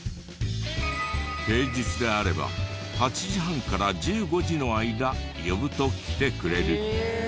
平日であれば８時半から１５時の間呼ぶと来てくれる。